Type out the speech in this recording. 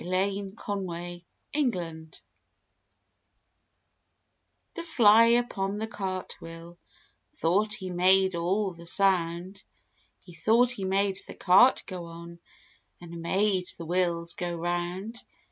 THE "ANTI" AND THE FLY f The fly upon the Cartwheel Thought he made all the Sound; He thought he made the Cart go on And made the wheels go round.